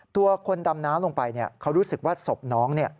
ตัวคนดำน้ำลงไปเขารู้สึกว่าศพน้อง